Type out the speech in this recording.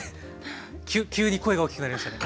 急に声が大きくなりましたね。